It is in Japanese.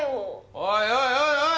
おいおいおいおい！